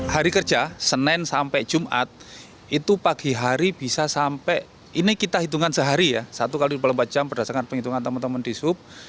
hari kerja senin sampai jumat itu pagi hari bisa sampai ini kita hitungkan sehari ya satu kali di pilihan jam berdasarkan penghitungan teman teman di sup